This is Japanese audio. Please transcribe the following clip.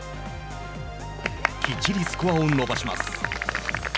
きっちりスコアを伸ばします。